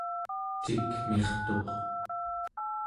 cikmirtuq